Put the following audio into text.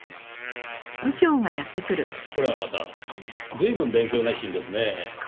これはまた随分勉強熱心ですねぇ。